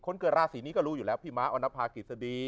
คนเกิดราศีกรูปก็รู้อยู่แล้วพี่ม้าอศ